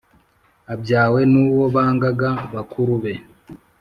Abyawe n`uwo bangaga bakuru be